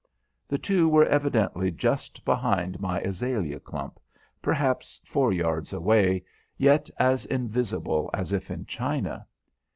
The two were evidently just behind my azalea clump, perhaps four yards away, yet as invisible as if in China.